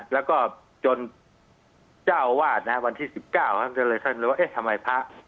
แล้วก็จนเจ้าวาดนะวันที่สิบเก้าทำจะเลยทำเลยว่าเอ๊ะทำไมพระ